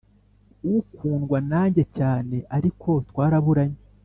ukundwa nanjye cyane ariko twaraburanye